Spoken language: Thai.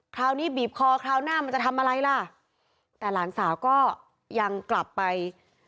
คราวนี้บีบคอคราวหน้ามันจะทำอะไรล่ะแต่หลานสาวก็ยังกลับไป